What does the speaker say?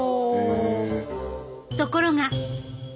ところが！